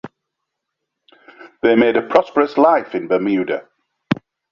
They made a prosperous life in Bermuda.